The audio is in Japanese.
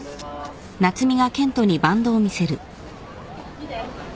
見て。